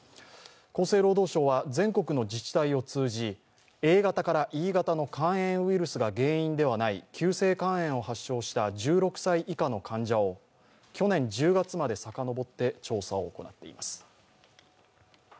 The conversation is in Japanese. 厚生労働省は全国の自治体を通じ、Ａ型からＥ型の肝炎ウイルスが原因ではない急性肝炎を発症した１６歳以下の患者を去年１０月までさかのぼって調査を行っています。